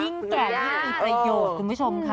แก่ยิ่งมีประโยชน์คุณผู้ชมค่ะ